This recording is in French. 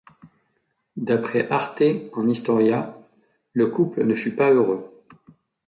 D'après Arte en Historia, le couple ne fut pas heureux.